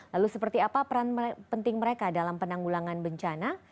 lalu seperti apa peran penting mereka dalam penanggulangan bencana